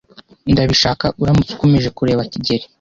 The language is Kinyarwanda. Ndabishaka uramutse ukomeje kureba kigeli.